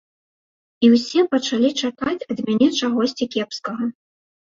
І ўсе пачалі чакаць ад мяне чагосьці кепскага.